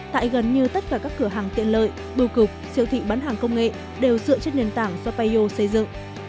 tại gần như tất cả các cửa hàng tiện lợi bưu cục siêu thị bán hàng công nghệ đều dựa trên nền tảng do payo xây dựng